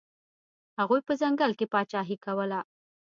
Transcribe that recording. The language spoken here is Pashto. هغوی په ځنګل کې پاچاهي کوله.